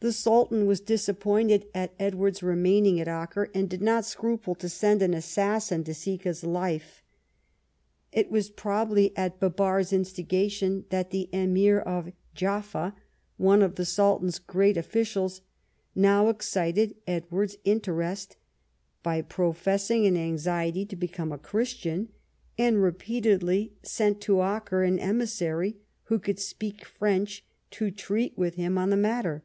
The Sultan Avas disappointed at Edward's remaining at Acre, and did not scruple to send an assassin to seek his life. It Avas probably at Bibars' instigation that the Emir of Jaffa, one of the Sultan's great officials, now excited Edward's interest by professing an anxiety to become a Christian, and repeatedly sent to Acre an emissary, who could speak French, to treat with him on the matter.